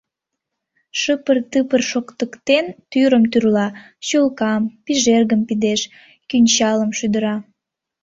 Шыпыр-тыпыр шоктыктен, тӱрым тӱрла, чулкам, пижергым пидеш, кӱнчылам шӱдыра.